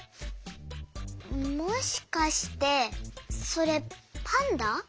もしかしてそれパンダ？